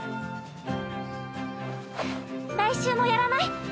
来週もやらない？